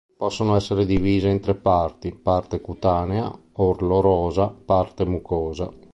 Possono essere divise in tre parti: parte cutanea, orlo rosa, parte mucosa.